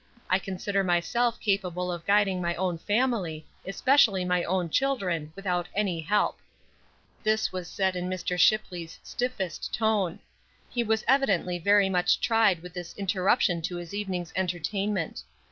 I consider myself capable of guiding my own family, especially my own children, without any help." This was said in Mr. Shipley's stiffest tone. He was evidently very much tried with this interruption to his evening's entertainment.